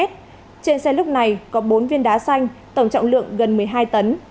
trên xe lúc này có bốn viên đá xanh tổng trọng lượng gần một mươi hai tấn